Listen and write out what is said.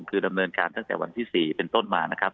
คือดำเนินการตั้งแต่วันที่๔เป็นต้นมานะครับ